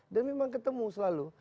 dan memang ketemu selalu